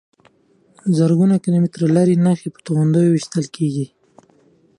زرګونه کیلومتره لرې نښې په توغندیو ویشتل کېږي.